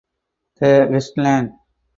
The Wasteland